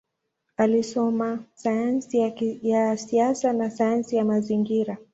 Alisoma sayansi ya siasa na sayansi ya mazingira.